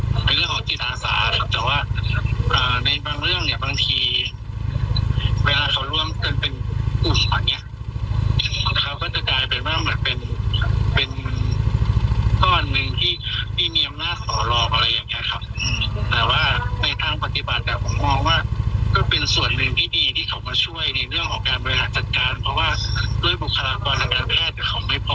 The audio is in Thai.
ในเรื่องของจิตอาสานะครับแต่ว่าในบางเรื่องเนี่ยบางทีเวลาเขาร่วมกันเป็นกลุ่มอันเนี้ยเขาก็จะกลายเป็นว่าเหมือนเป็นเป็นก้อนหนึ่งที่พี่มีอำนาจขอหรอกอะไรอย่างเงี้ยครับแต่ว่าในทางปฏิบัติผมมองว่าก็เป็นส่วนหนึ่งที่ดีที่เขามาช่วยในเรื่องของการบริหารจัดการเพราะว่าด้วยบุคลากรทางการแพทย์